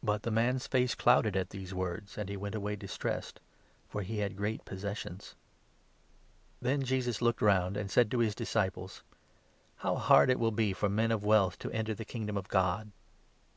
But the man's face clouded at these words, and he went away 22 distressed, for he had great possessions. Then Jesus looked round, and said to his disciples : 23 " How hard it will be for men of wealth to enter the Kingdom of God